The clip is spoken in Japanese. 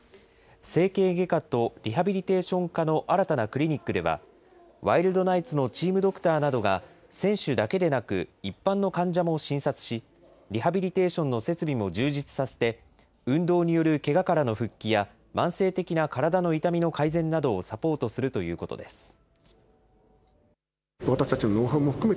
整形外科とリハビリテーション科の新たなクリニックでは、ワイルドナイツのチームドクターなどが、選手だけでなく、一般の患者も診察し、リハビリテーションの設備も充実させて、運動によるけがからの復帰や、慢性的な体の痛みの改善などをサポートするということです。